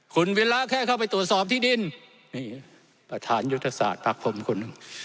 คุณวิระแค่เข้าไปตรวจสอบที่ดินนี่ประธานยุทธศาสตร์พักผมคนหนึ่ง